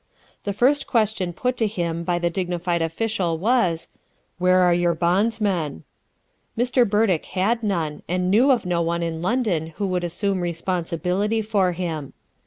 The first question put to him by the dignified official was: "Where are your bondsmen?" Mr. Burdick had none, and knew of no one in London who would assume responsibility for him.